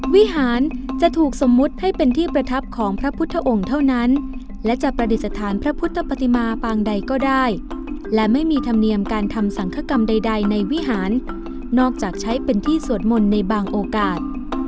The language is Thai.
วิหารจะถูกสมมุติให้เป็นที่ประทับของพระพุทธองค์เท่านั้นและจะประดิษฐานพระพุทธปฏิมาปางใดก็ได้และไม่มีธรรมเนียมการทำสังคกรรมใดในวิหารนอกจากใช้เป็นที่สวดมนต์ในบางโอกาส